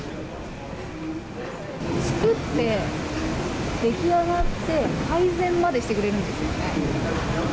作って出来上がって、配膳までしてくれるんですよね。